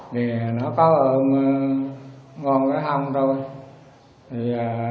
thì nó có ôm ngon cái hông thôi